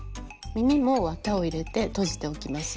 耳も綿を入れてとじておきます。